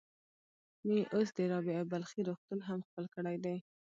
مينې اوس د رابعه بلخي روغتون هم خپل کړی دی.